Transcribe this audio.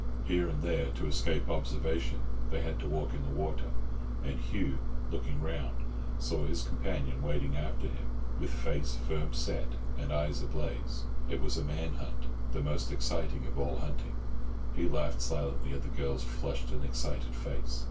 Here and there, to escape observation, they had to walk in the water, and Hugh, looking round, saw his companion wading after him, with face firm set and eyes ablaze. It was a man hunt, the most exciting of all hunting. He laughed silently at the girl's flushed and excited face.